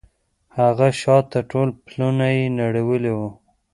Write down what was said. هغه شاته ټول پلونه يې نړولي وو.